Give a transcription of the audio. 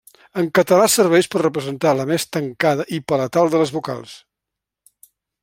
En català serveix per representar la més tancada i palatal de les vocals.